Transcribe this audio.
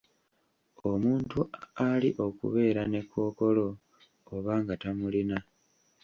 Omuntu ali okubeera ne kkookolo oba nga tamulina.